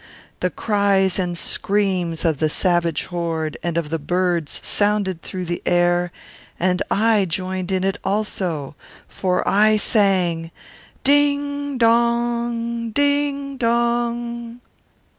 The cries and screams of the savage horde and of the birds sounded through the air, and I joined in it also; for I sang 'Ding dong! ding dong!'